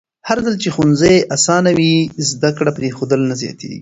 هرځل چې ښوونځي اسانه وي، زده کړه پرېښودل نه زیاتېږي.